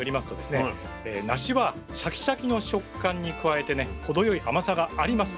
なしはシャキシャキの食感に加えてね程よい甘さがあります。